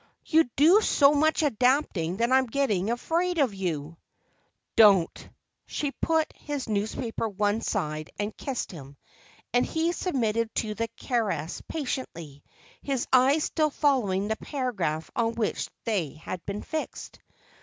"You do so much adapting that I'm getting afraid of you." "Don't." She put his newspaper one side and kissed him, and he submitted to the caress patiently, his eyes still following the paragraph on which they had been fixed.